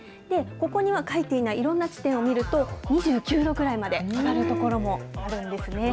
ここには書いていないいろんな地点を見ると、２９度くらいまで上がる所もあるんですね。